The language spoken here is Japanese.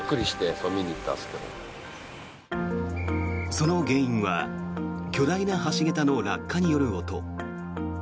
その原因は巨大な橋桁の落下による音。